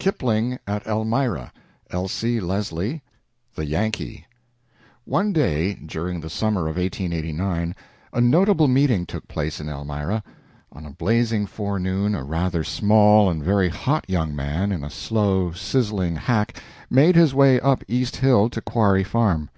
KIPLING AT ELMIRA. ELSIE LESLIE. THE "YANKEE" One day during the summer of 1889 a notable meeting took place in Elmira. On a blazing forenoon a rather small and very hot young man, in a slow, sizzling hack made his way up East Hill to Quarry Faun.